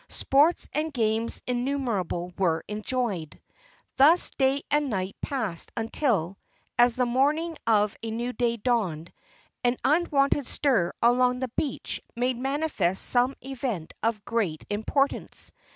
Sports and games innumerable were enjoyed. Thus day and night passed until, as the morning of a new day dawned, an unwonted stir along the beach made manifest some event of very great importance.